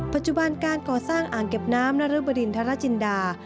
ปัจจุบันการก่อสร้างอ่างเก็บน้ำนรบดินทรจินดา